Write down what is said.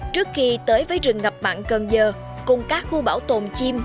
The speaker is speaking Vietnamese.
trước khi tới với rừng ngập mặn cần giờ cùng các khu bảo tồn chim